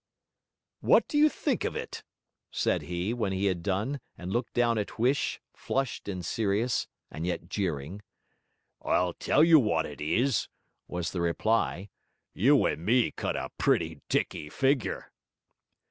'What do you think of it?' said he, when he had done, and looked down at Huish, flushed and serious, and yet jeering. 'I'll tell you wot it is,' was the reply, 'you and me cut a pretty dicky figure.'